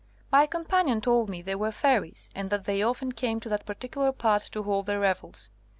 My companion told me they were fairies, and that they often came to that particular part to hold their revels.